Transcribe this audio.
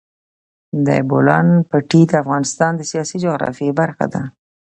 د بولان پټي د افغانستان د سیاسي جغرافیه برخه ده.